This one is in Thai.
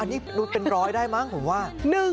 อันนี้เป็นร้อยได้มั้งผมว่า